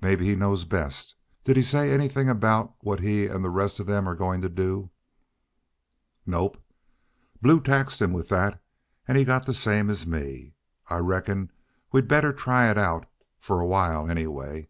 "Maybe he knows best. Did he say anythin' about what he an' the rest of them are goin' to do?" "Nope. Blue taxed him with that an' got the same as me. I reckon we'd better try it out, for a while, anyway."